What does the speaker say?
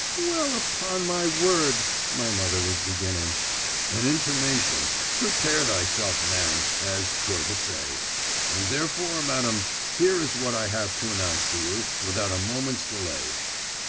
'Well, upon my word,' my mother was beginning. 'An intimation. Prepare thyself, man, as 'twere to say. And therefore, madam, here is what I have to announce to you, without a moment's delay.